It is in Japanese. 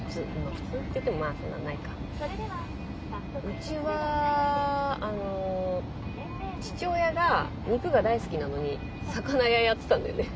うちはあの父親が肉が大好きなのに魚屋やってたんだよね。